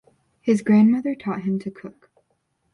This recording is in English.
His grandmother taught him to cook.